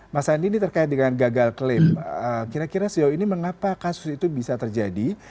mas andi ini terkait dengan gagal klaim kira kira sejauh ini mengapa kasus itu bisa terjadi